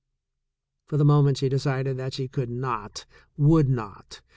For the moment she decided that she could not, would not.